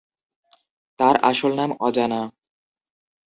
তার আসল নাম অজানা।